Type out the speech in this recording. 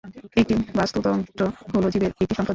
একটি বাস্তুতন্ত্র হল জীবের একটি সম্প্রদায়।